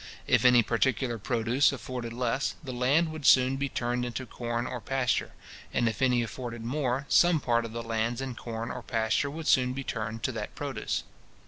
If any particular produce afforded less, the land would soon be turned into corn or pasture; and if any afforded more, some part of the lands in corn or pasture would soon be turned to that produce.